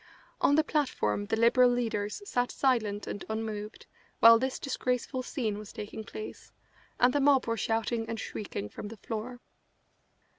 On the platform the Liberal leaders sat silent and unmoved while this disgraceful scene was taking place, and the mob were shouting and shrieking from the floor.